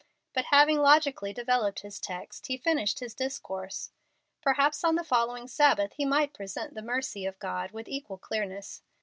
But having logically developed his text, he finished his discourse. Perhaps on the following Sabbath he might present the mercy of God with equal clearness.